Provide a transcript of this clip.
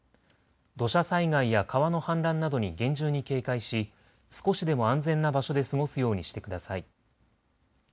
土砂災害や川の氾濫などに厳重に警戒し少しでも安全な場所で過ごすようにしてください。